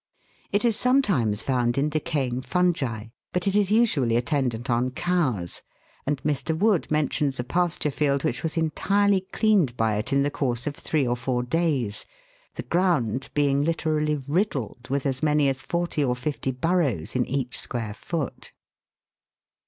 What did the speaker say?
It is sometimes found in decaying fungi, but it is usually attendant on cows, and Mr. Wood mentions a pasture field which was entirely cleaned by it in the course of three or four days, the ground being literally riddled with as many as forty or fifty burrows in each square foot.